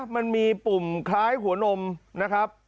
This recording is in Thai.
มันมีปุ่มคล้ายหัวนมนะครับ